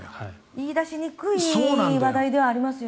言い出しにくい話題ではありますよね。